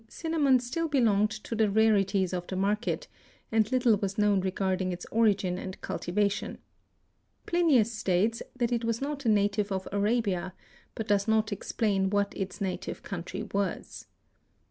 cinnamon still belonged to the rarities of the market and little was known regarding its origin and cultivation. Plinius stated that it was not a native of Arabia, but does not explain what its native country was.